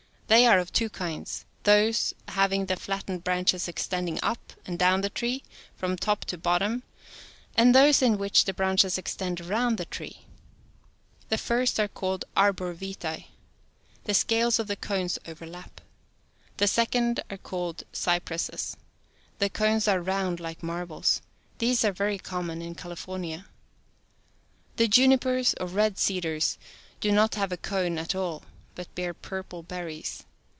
They are of two kinds, those having the flattened branches extending up and down the tree, from top to bottom, and those in which the i^^^ branches extend around the tree. The first are called arbor vitie \>^i V=«>»» (Fig. lo). The scales of the cones IT*. overlap. The second are called cypresses (Fig. ii). The cones are round like mar . bles. These are very common in California. The junipers, or red cedars, do not have a cone at all, but bear purple berries.